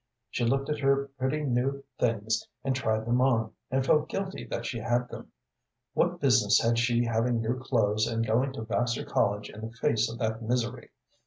She looked at her pretty new things and tried them on, and felt guilty that she had them. What business had she having new clothes and going to Vassar College in the face of that misery?